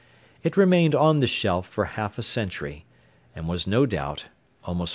It remained on the shelf for half a century, and was no doubt almost forgotten.